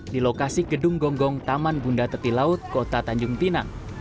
di lokasi gedung gonggong taman bunda teti laut kota tanjung pinang